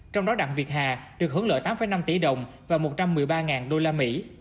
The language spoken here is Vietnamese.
trong đó đặng việt hà được hưởng lợi tám năm tỷ đồng và một trăm một mươi ba đô la mỹ